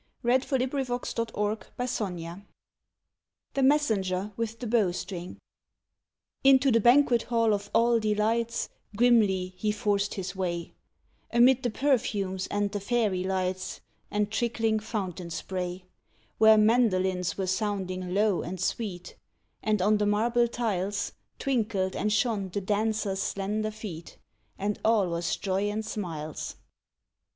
MESSENGER WITH BOW STRING 151 THE MESSENGER WITH THE BOW STRING INTO the banquet hall of all delights Grimly he forced his way, Amid the perfumes and the fairy lights, And trickling fountain spray, Where mandolins were sounding low and sweet, And on the marble tiles Twinkled and shone the dancers ' slender feet, And all was joy and smiles.